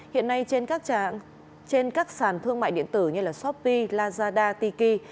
hiện nay trên các sàn thương mại điện tử như shopee lazada tiki